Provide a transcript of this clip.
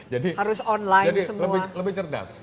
harus online semua jadi lebih cerdas